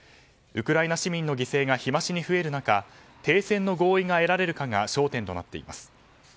ウクライナ市民の犠牲が日増しに増える中停戦の合意が得られるかが焦点となっています。